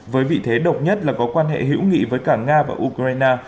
với vị thế độc nhất là có quan hệ hữu nghị với cả nga và ukraine